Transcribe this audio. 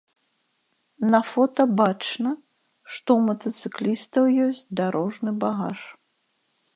На фота бачна, што ў матацыклістаў ёсць дарожны багаж.